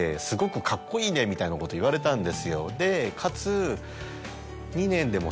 みたいなことを言われたんですよでかつ。